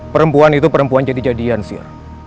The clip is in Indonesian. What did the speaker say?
perempuan itu perempuan jadi jadian sih